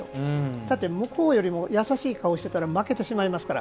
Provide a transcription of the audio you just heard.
だって、向こうよりも優しい顔をしていたら負けてしまいますから。